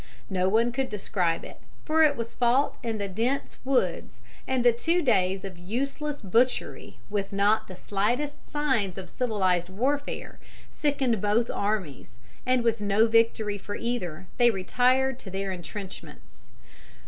No one could describe it, for it was fought in the dense woods, and the two days of useless butchery with not the slightest signs of civilized warfare sickened both armies, and, with no victory for either, they retired to their intrenchments.